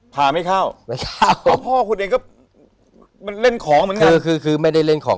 พาไม่เข้าพ่อคุณเองก็เล่นของเหมือนกันคือไม่ได้เล่นของ